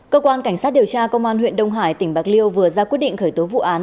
cơ quan cảnh sát điều tra công an huyện đông hải tỉnh bạc liêu vừa ra quyết định khởi tố vụ án